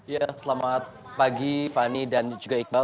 ya selamat pagi fani dan juga iqbal